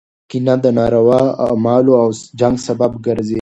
کینه د ناروا اعمالو او جنګ سبب ګرځي.